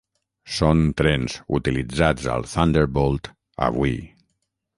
Són trens utilitzats al Thunderbolt avui.